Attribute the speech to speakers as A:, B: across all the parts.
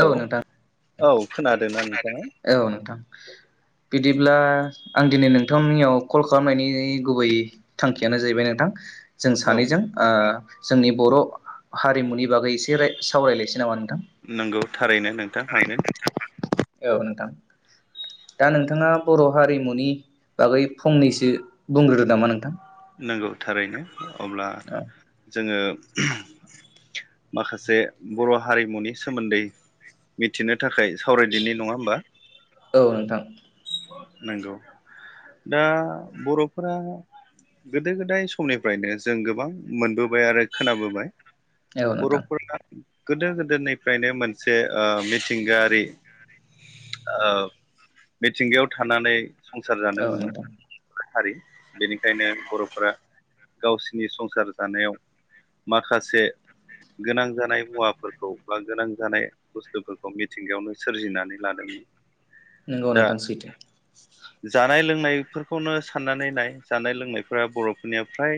A: औ
B: हेलौ
A: नोंथां
B: औ। खोनादोंना नोंथाङा?
A: औ नोंथां बिदिब्ला आं दिनै नोंथांनियाव कल खालामनायनि गुबै थांखियानो जाहैबाय नोंथां जों
B: औ
A: सानैजों ओ जोंनि बर हारिमुनि बागै एसे राय सावरायलायसै नामा? नोंथां
B: नोंगौ थारैनो नों [unintelligible]
A: औ नोंथां। दा नोंथाङा बर' हारिमुनि बागै फंनैसो बुंग्रोदो नामा नोंथां।
B: नोंगौ थारैनो। अब्ला
A: औ
B: जोङो [unintelligible]
A: [unintelligible]
B: माखासे बर' हारिमुनि सोमोन्दै मिथिनो थाखाय सावरायदिनि नङा होमबा?
A: औ नोंथां।
B: नोंगौ दा बर'फोरा गोदो गोदाय समनिफ्रायनो जों गोबां मोनबोबाय आरो खोनाबोबाय।
A: औ नोंथां
B: बर'फोरा गोदो गोदायनिफ्रायनो मोनसे ओ मिथिंगायारि ओ मिथिंगायाव थानानै संसार जानो
A: औ
B: मोनो
A: नोंथां
B: बिनिफ्राय हारि बेनिखायनो बर'फोरा गावसिनि संसार जानायाव माखासे गोनां जानाय मुवाफोरखौ बा गोनां जानाय बुस्थुफोरखौ मिथिंगायावनो सोरजिनानै लादों। मोन
A: नोंगौ नोंथां सैथो
B: नायो बेफोरखौनो साननानै नाय जानाय लोंनाय ओ बर'फोरनिया फ्राय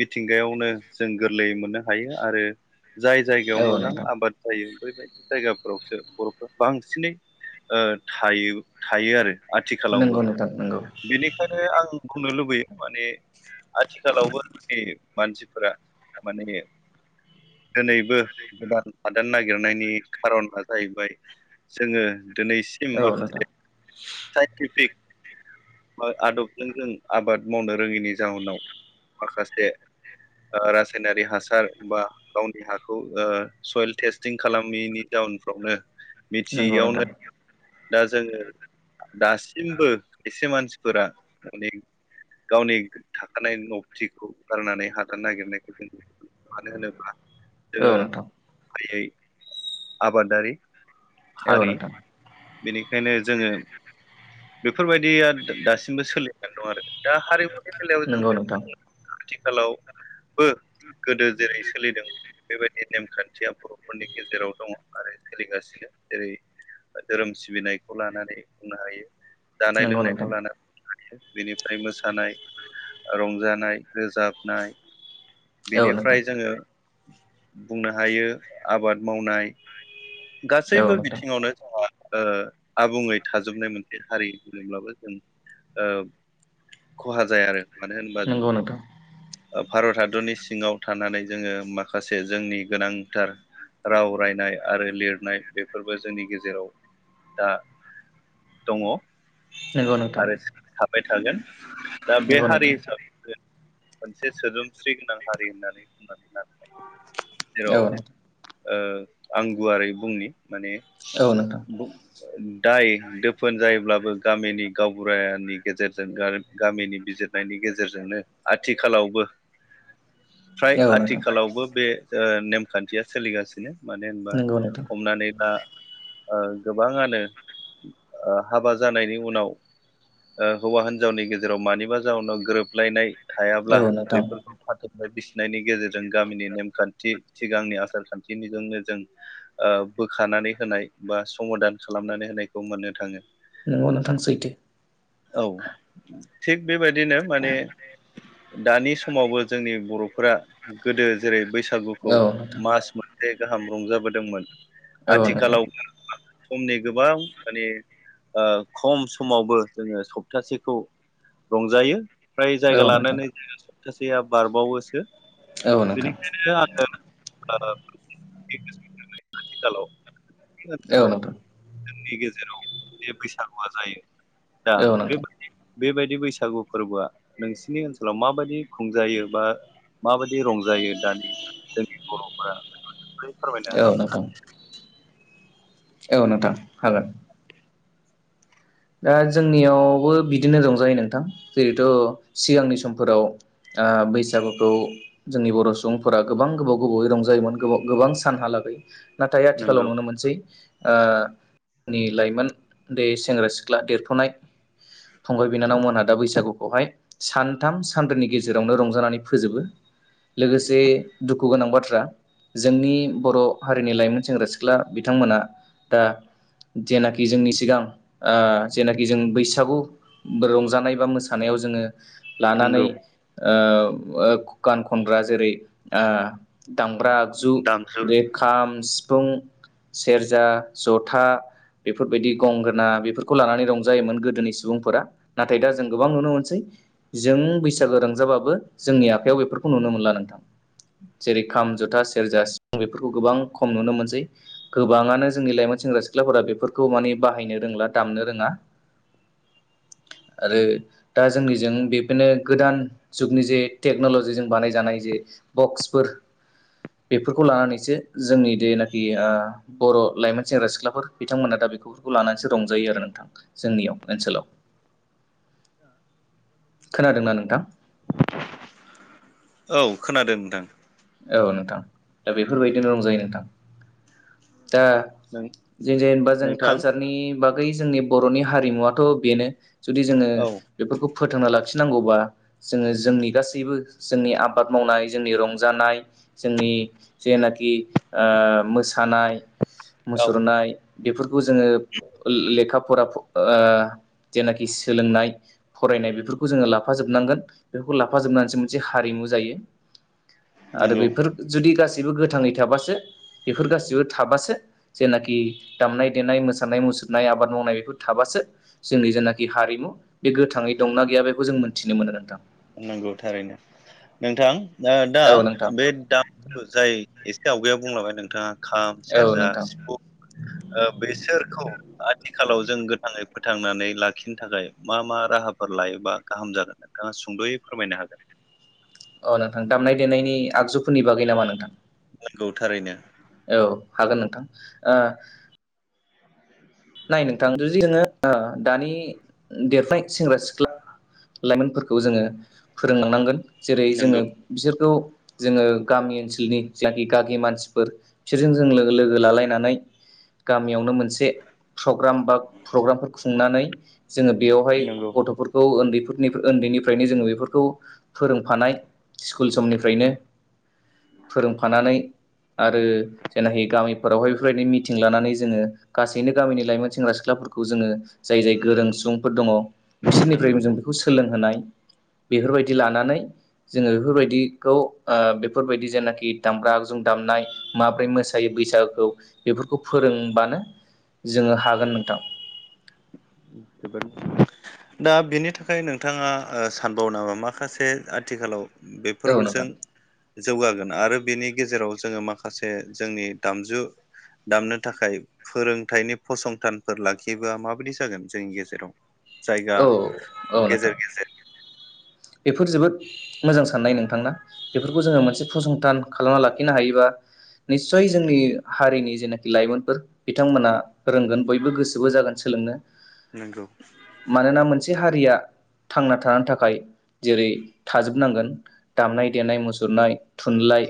B: मिथिंगायावनो जों गोरलै मोननो हायो आरो जाय
A: औ
B: जायगायाव मोजां
A: नोंथां
B: आबाद जायो बेफोरबादि जायगाफोरावसो बर'फ्रा बांसिनै ओ थायो थायो आरो आथिखालावबो
A: नंगौ नोंथां नंगौ
B: बेनिखायनो आं खौ लुबैयो माने आथिखालावबो मानसिफोरा माने दिनैबो गोदान हादान नागिरनायनि खारना जाहैबाय जोङो दिनैसिम
A: औ
B: माखासे
A: नोंथां
B: साइन्टिफिक आदबजों जों आबाद मावनो रोङिनि जाउनाव माखासे रासायनारि हासार बा गावनि हाखौ ओ सयेल टेस्टिं खालामैनि जाउनफ्रावनो
A: नंगौ
B: मिथियैयावनो
A: नोंथां
B: दा जोङो दासिमबो खायसे मानसिफोरा बे गावनि थाखानाय नबथिखौ गारनानै हाथार नागिरनायखौ जों नु मानो होनोब्ला
A: औ
B: जोङो
A: नोंथां
B: फारियै आबादारि
A: औ
B: हारि
A: नोंथां
B: बेनिखायनो जोङो बेफोरबायदिया दासिमबो सोलिनानै दं आरो दा हारिमुनि
A: नोंगौ‌ नोथां
B: हेलौ बो गोदो जेरै सोलिदों बेबायदि नेमखान्थिया बर'फोरनि गेजेराव दङ आरो सोलिगासिनो जेरै धोरोम सिबिनायखौ लानानै बुंनो हायो जानाय
A: नंगौ नोंथां
B: लोंनायखौ लानानै बेनिफ्राय मोसानाय रंजानाय रोजाबनाय
A: औ नोंथां
B: बेनिफ्राय जोङो बुंनो हायो आबाद मावनाय
A: औ
B: गासैबो
A: नोंथां
B: बिथिङावनो जोंहा आबुङै थाजोबनाय मोनसे हारि होनोब्लाबो जों खहा जाया आरो मान होन बाज
A: नंगौ नोंथां
B: भारत हादरनि सिङाव थानानै जोङो माखासे जोंनि गोनांथार राव रायनाय आरो लिरनाय बेफोरबो जोंनि गेजेराव दा दङ
A: नंगौ नोंथां
B: आरो थाबाय थागोन दा बे
A: नोंगौ
B: हारि
A: नोंथां।
B: हिसाबै मोनसे सोदोमस्रि गोनां हारि होननानै बुंनानै लानो
A: औ।
B: ओ आं गुवारै बुंनि माने
A: औ नोंथां
B: दाय दोफोन जायोब्लाबो गामिनि गावबुरानि गेजेरजों गामिनि बिजिरनायनि गेजेरजोंनो आथिखालावबो फ्राय
A: औ नोंथां
B: आथिखालावबो बे ओ नेमखान्थिया सोलिगासिनो। मानो होनबा
A: नंगौ नोंथां
B: हमनानै ला ओ गोबाङानो ओ हाबा जानायनि उनाव ओ हौवा हिनजावनि गेजेराव मानिबा जाउनाव गोरोबलायनाय
A: औ
B: थायाब्ला
A: नोंथां
B: बेफोरखौ [unintelligible] [unintelligible] नायनि गेजेरजों गामिनि नेमखान्थि सिगांनि आसार खान्थिनिजोंनो जों ओ बोखानानै होनाय बा समादान खालामनानै होनायखौ मोननो थाङो।
A: नंगौ नोंथां सैथो।
B: औ थिग बेबायदिनो माने दानि समावबो जोंनि बर' फुरा गोदो जेरै बैसागुखौ
A: औ नोंथां
B: मास मोनसे गाहाम रंजाबो दोंमोन।
A: औ नोंथां
B: आथिखालाव समनि गोबां माने ओ खम समावबो जोङो सप्तासेखौ ओमफ्राय जायगा
A: औ नोंथां
B: लानानै सासेया बारबावोसो
A: औ नोंथां
B: [unintelligible] [unintelligible] [unintelligible] हेलौ [unintelligible]
A: औ नोंथां औ नोंथां
B: जोंनि गेजेराव बे बैसागुआ जायो दा बेबायदि बेबायदि बैसागु फोरबोआ नोंसिनि ओनसोलाव माबायदि खुंजायो बा माबायदि रंजायो दानि जोंनि बर'फोरा एसे फोरमायना
A: औ नोंथां। औ नोंथां हागोन। दा जोंनियावबो बिदिनो रंजायो नोंथां जेरैथ' सिगांनि समफोराव ओ बैसागुखौ जोंनि बर' सुबुंफोरा गोबां गोबाव गोबावै रंजायोमोन गोबाव गोबां सानहालागै नाथाय आथिखालाव
B: नंगौ
A: नुनो मोनसै ओ नि लाइमोन दै सेंग्रा सिख्ला सिख्ला देरफुनाय‌ फंबाय बिनानावमोनहा दा बैसागु बेवहाय सानथाम सानब्रैनि गेजेरावनो रंजानानै फोजोबो। लोगोसे दुखु गोनां बाथ्रा जोंनि बर' हारिनि लाइमोन सेंग्रा सिख्ला बिथांमोना दा जेनाखि जोंनि सिगां ओ जेनाखि जों बैसागु रंजानाय बा मोसानायाव जोङो लानानै
B: नंगौ
A: ओ ओ गान खनग्रा जेरै ओ दाम ग्रा आगजु
B: दामजु
A: बेे खाम फुं सेरजा जथा बेफोरबायदि गंगोना बे बेफोरखौ लानानै रंजायोमोन गोदोनि सुबुंफोरा नाथाय दा जों गोबां नुनो मोनसै जों बैसागो रोंजाबाबो जोंनि आखायाव बेफोरखौ नुनो मोनला नोंथां जेरै खाम जथा सेरजा सि बेफोरखौ गोबां खम नुनो मोनसै गोबाङानो जोंनि लाइमोन सेंग्रा सिख्लाफोरा बेफोरखौ माने बाहायनो रोंला दामनो रोङा आरो दा जोंनि जों बेफोरनो गोदान जुगनि जे टेक्नलजिजों बानाय जानाय जे बक्स फोर बेफोरखौ लानानैसो जोंनि देनाखि बर' लाइमोन सेंग्रा सिख्लाफोर बिथांमोना दा बेफोरखौ लानानैसो रं जायो आरो नोंथां। जोंनियाव ओनसोलाव खोनादोंना नोंथां?
B: औ खोनादों नोंथां।
A: औ नोंथां दा बेफोरबायदिनो रंजायो नोंथां। दा जों जेनेबा जों
B: नोंथां
A: कालसारनि बागै जोंनि बर'नि हारिमुवाथ' बेनो। जुदि जोङो
B: औ
A: बेफोरखौ फोथांना लाखिनांगौबा जोङो जोंनि गासैबो जोंनि आबाद मावनाय जोंनि रं - जानाय जोंनि जेनाखि ओ मोसानाय
B: औ
A: मुसुरनाय बेफोर खौ जोङो लेखा फरा ओ जेनाखि सोलोंनाय फरायनाय बेफोरखौ जोङो लाफाजोबनांगोन बेफोरखौ लाफाजोबनानैसो मोनसे हारिमु जायो। आरो
B: नंगौ
A: बेफोर जुदि गासै गासिबो गोथाङै थाबासो बेफोर गासिबो थाबासो जेनाखि दामनाय देनाय मोसानाय मुसुरनाय आबाद मावनाय बेफोर थाबासो जोंनि जेनाखि हारिमु बे गोथाङै दंना गैया बेखौ जों मोनथिनो मोनो नोंथां
B: नंगौ थारैनो नोंथां दा
A: औ नोंथां
B: बे दाम जाय एसे आवगायाव बुंलांबाय नोंथाङा खाम
A: औ
B: सेरजा
A: नोंथां
B: सिफुं बेसोरखौ आथिखालाव जों गोथाङै फोथांनानै लाखिनो थाखाय मा मा राहाफोर लायोबा गाहाम जागोन नोंथाङा सुंद'यै फोरमायनो हागोन
A: अ नोंथां दामनाय देनायनि आगजुफोरनि बागै नामा नोंथां
B: नंगौ थारैनो
A: औ हागोन नोंथां नाय नोंथां जुदि जोङो दानि देरफुनाय सेंग्रा सिख्ला लाइमोनफोरखौ जोङो फोरोंलांनांगोन जेरै जोङो
B: नंगौ
A: बिसोरखौ जोङो गामि ओनसोलनि जेनाखि गागि मानसिफोर बिसोरजों जों लोगो लालायनानै गामियावनो मोनसे प्रग्राम बा प्रग्रामखो खुं- नानै जोङो बेयावहाय
B: नंगौ
A: गथ'फोरखौ उन्दै नि उन्दैनिफ्रायनो जोङो बेफोरखौ फोरोंफानाय स्कुल समनिफ्रायनो फोरोंफानानै आरो जेनाखि गामिफोरावहाय बेफोरनो मिटिं लानानै जोङो गासै बिदिनो गामिनि लाइमोन सेंग्रा सिख्लाफोरखौ जोङो जाय जाय गोरों सुबुंफोर दङ बिसोरनिफ्राय
B: नंगौ
A: जों बेखौ सोलोंहोनाय बेफोरबायदि लानानै जोङो बेफोरबायदिखौ बेफोरबायदि जेनाखि दामग्रा जों दामनाय माब्रै मोसायो बैसागुखौ बेफोरखौ फोरोंबानो जोङो हागोन नोंथां।
B: जोबोद दा बिनि थाखाय नोंथाङा सानबावो नामा माखासे आथिखालाव
A: औ
B: बेफोरजों
A: नोंथां
B: जौगागोन आरो बेनि गेजेराव जोङो माखासे जोंनि दामजु दामनो थाखाय फोरोंथाइनि फसंथानफोर लाखियोबा माबायदि जागोन जोंनि गेजेराव जायगा
A: औ औ
B: गेजेर
A: नोंथां
B: गेजेर
A: बेफोर जोबोद मोजां साननाय नोंथांना? बेफोरखौ जोङो मोनसे फसंथान खालामना लाखिनो हायोबा निस्सय जोंनि हारिनि जेनाखि लाइमोनफोर बिथांमोना रोंगोन बयबो गोसोबो जागोन सोलोंनो।
B: नोंगौ।
A: से हारिया थांना थानो थाखाय जेरै थाजोबनांगोन दामनाय देनाय मुसुरनाय थुनलाइ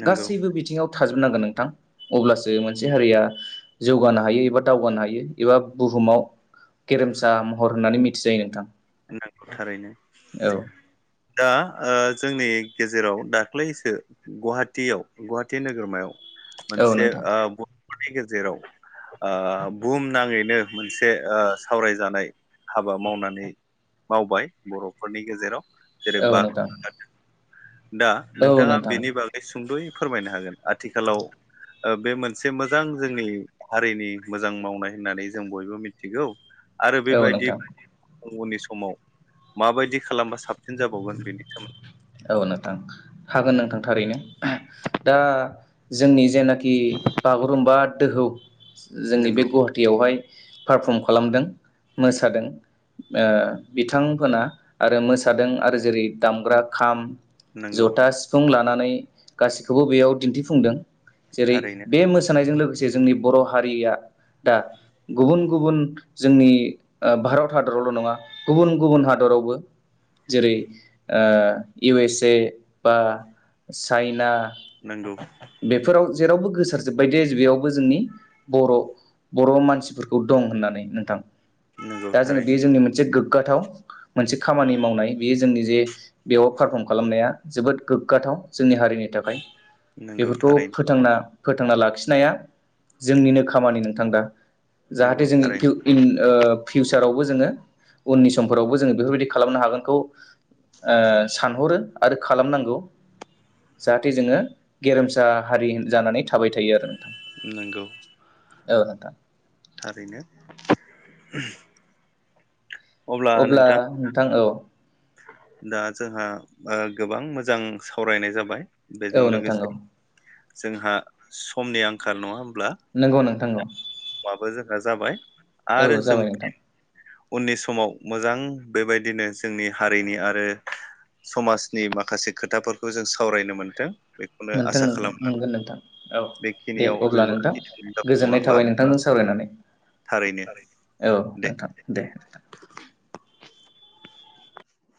B: नंगौ
A: गासैबो बिथिङाव थाजोबनांगोन नोंथां अब्लासो मोनसे हारिया जौगानो हायो एबा दावगानो हायो एबा बुहुमाव गेरेमसा महर होननानै मिथिजायो नोंथां।
B: नोंथां थारैनो।
A: औ
B: दा ओ जोंनि गेजेराव दाख्लैसो गुवाहाटियाव गुवाहाटि नोगोरमायाव
A: औ
B: मोनसे
A: नोंथां
B: आ ब नि गेजेराव ओ बुहुम नाङैनो मोनसे ओ सावरायजानाय हाबा मावनानै मावबाय बर'फोरनि गेजेराव जेरै
A: औ
B: बागुरुम्बा
A: नोंथां।
B: दा
A: औ
B: नोंथाङा
A: नोंथां
B: बेनि बागै सुंद'यै फोरमायनो हागोन आथिखालाव ओ बे मोनसे मोजां जोंनि हारिनि मोजां मावनाय होननानै जों बयबो मिथिगौ। आरो
A: औ
B: बेबायदि
A: नोंथां
B: गुबुननि सुब समाव माबायदि खालामबा साबसिन जाबावगोन बेनि सोमोन्दै
A: औ नोंथां हागोन नोंथां थारैनो दा जोंनि जेनाखि बागुरुमबा दोहौ जोंनि बे
B: नंगौ
A: गुवाहाटियावहाय पारफर्म खालामदों मोसादों ओ बिथांमोना आरो मोसादों आरो जेरै दामग्रा खाम
B: नंगौ
A: जथा सिफुं लाना नानै गासैखौबो बेयाव दिन्थिफुंदों जेरै
B: थारैनो
A: बे मोसानायजों लोगो से जोंनि बर' हारिया दा गुबुन गुबुन जोंनि ओ भारत हादरावल' नङा गुबुन गुबुन हादरावबो जेरै ओ इउ एस ए बा चाइना
B: नोंगौ
A: बेफोराव जेरावबो गोसार जोबबाय देज बेयावबो जोंनि बर' बर' मानसिफोरखौ दं होननानै नोंथां
B: नंगौ
A: दा जोङो बे
B: थारैनो
A: जोंनि मोनसे गोग गाथाव मोनसे खामानि मावनाय बेयो जोंनि जे बेयाव पारफर्म खालामनाया जोबोद गोग्गाथाव जोंनि हारिनि थाखाय
B: नंगौ
A: बेफोरखौ
B: थारैनो
A: फोथांना फोथांना लाखिनाया जोंनिनो खामानि नोंथां दा
B: नंगौ
A: जाहाथे जोंनि पिउ
B: थारैनो
A: इन ओ फिउसारावबो जोङो उननि समफोरावबो जोङो बेफोरबायदि खालामनो हागोनखौ ओ सानहरो आरो खालामनांगौ जाहाथे जोङो गेरेमसा हारि होन जानानै थाबाय थायो आरो नोंथां
B: नंगौ
A: औ नोंथां
B: थारैनो [inaudible]
A: अब्ला नोंथां औ
B: दा जोंहा ओ गोबां मोजां सावरायनाय जाबाय
A: औ
B: बेजों
A: नोंथां औ
B: लोगोसे जोंहा समनि आंखाल नङा होम
A: नंगौ नोंथां औ
B: बो जोंहा जाबाय आरो
A: औ
B: जों
A: जाबाय नोंथां
B: उननि समाव मोजां बेबायदिनो जोंनि हारिनि आरो समाजनि माखासे खोथाफोरखौ जों सावरायनो मोनथों बेखौनो
A: मोनथों
B: आसा
A: ओं
B: खालामो
A: मोनगोन नोंथां औ दे
B: बेखिनियाव जों
A: अब्ला नोंथां
B: लाखिथ'नाय जाबाय नङा
A: गोजोननाय
B: होमबा
A: थाबाय नोंथांजों सावरायनानै
B: थारैनो
A: औ
B: दे
A: नोंथां दे नोंथां